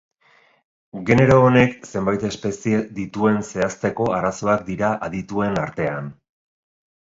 Genero honek zenbait espezie dituen zehazteko arazoak dira adituen artean.